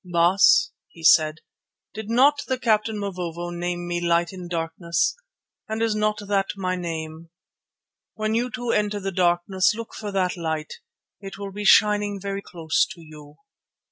"Baas," he said, "did not the captain Mavovo name me Light in Darkness, and is not that my name? When you too enter the Darkness, look for that Light; it will be shining very close to you."